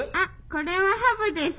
これはハブです。